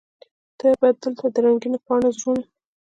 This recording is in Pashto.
ته به دلته د رنګینو پاڼو زړونه